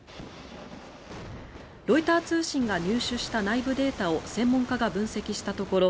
ロイター通信が入手した内部データを専門家が分析したところ